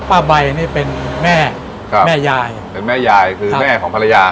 ป้าใบเป็นแม่ยายแม่ยายคือแม่ของภรรยา